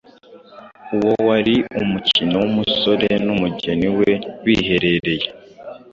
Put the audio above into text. Uwo wari umukino w’umusore n’umugeni we biherereye.